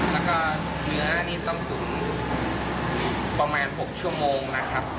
แล้วก็เนื้อนี่ต้องตุ๋นประมาณ๖ชั่วโมงนะครับ